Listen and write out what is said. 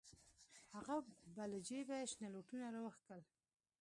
هغه به له جيبه شنه لوټونه راوکښل.